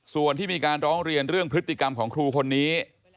ส่วนที่มีการร้องเรียนเรื่องพฤติกรรมของครูคนนี้